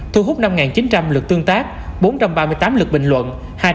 thu hút năm chín trăm linh lượt tương tác bốn trăm ba mươi tám lượt bình luận